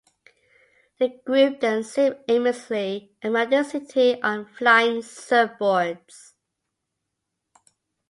The group then zoom aimlessly around the city on flying surfboards.